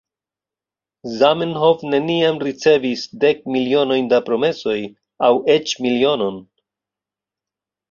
Zamenhof neniam ricevis dek milionojn da promesoj, aŭ eĉ milionon.